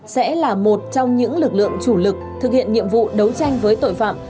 sẽ là một trong những lực lượng chủ lực thực hiện nhiệm vụ đấu tranh với tội phạm